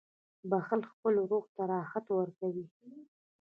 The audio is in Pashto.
• بخښل خپل روح ته راحت ورکوي.